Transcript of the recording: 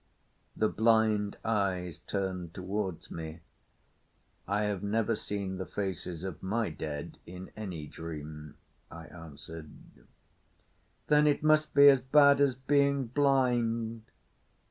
The blind eyes turned towards me. "I have never seen the faces of my dead in any dream," I answered. "Then it must be as bad as being blind."